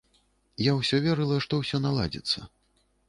Я ўсё верыла, што ўсё наладзіцца.